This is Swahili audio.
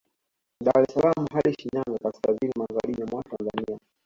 Dar es salaam hadi Shinyanga kaskazini magharibi mwa Tanzania